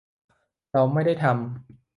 เราไม่ได้ทำ